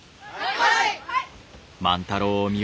はい！